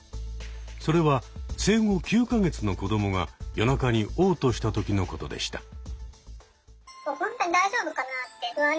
それは生後９か月の子どもが夜中におう吐した時のことでした。